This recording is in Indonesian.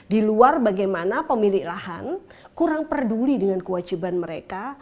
di luar bagaimana pemilik lahan kurang peduli dengan kewajiban mereka